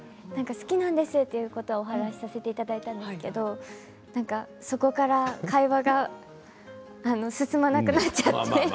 好きなんですとはお話しさせていただいたんですがそこから会話が進まなくなっちゃって。